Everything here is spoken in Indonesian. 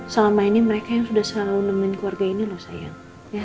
selama ini mereka yang sudah selalu nemenin keluarga ini loh sayang